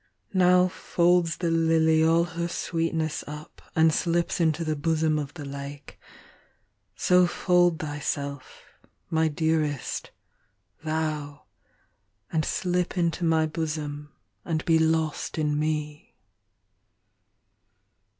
Now folds the lily all her sweetness up, And slips into the bosom of the lake:So fold thyself, my dearest, thou, and slipInto my bosom and be lost in me.